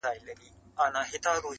زاړه خلک چوپتيا غوره کوي